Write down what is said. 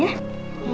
yuk selamat siang